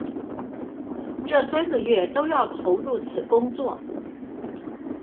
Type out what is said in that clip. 這三個月都要投入此工作